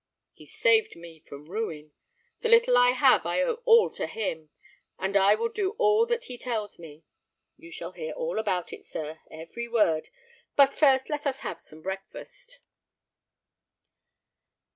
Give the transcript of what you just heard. He saved me from ruin. The little I have I owe all to him, and I will do all that he tells me. You shall hear all about it, sir; every word; but first let us have some breakfast."